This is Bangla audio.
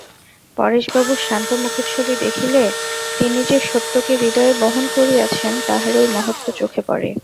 পরেশবাবুর শান্ত মুখচ্ছবি দেখিলে তিনি যে সত্যকে হৃদয়ে বহন করিয়াছেন তাহারই মহত্ত্ব চোখে পড়ে।